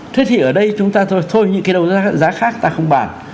thế thì ở đây chúng ta thôi những cái đấu giá khác ta không bàn